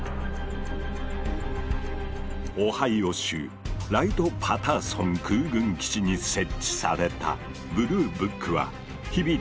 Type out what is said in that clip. オハイオ州ライト・パターソン空軍基地に設置された「ブルーブック」は日々大量に届くＵＦＯ